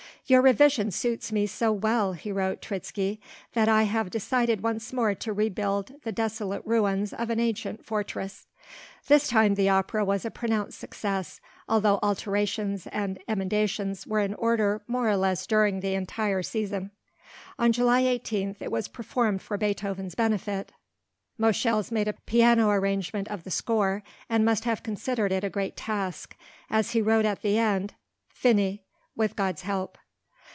"Your revision suits me so well," he wrote Treitschke, "that I have decided once more to rebuild the desolate ruins of an ancient fortress." This time the opera was a pronounced success, although alterations and emendations were in order more or less during the entire season. On July 18, it was performed for Beethoven's benefit. Moscheles made a piano arrangement of the score, and must have considered it a great task, as he wrote at the end. FINIS. WITH GOD'S HELP.